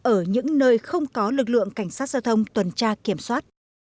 ở những nơi không có lực lượng cảnh sát giao thông tuần tra kiểm soát